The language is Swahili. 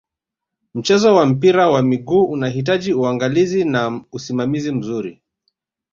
mchezo wa mpira wa miguu unahitaji unagalizi na usimamizi mzuri